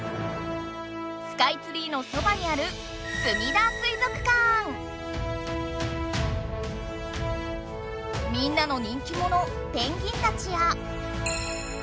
スカイツリーのそばにあるみんなの人気ものペンギンたちや。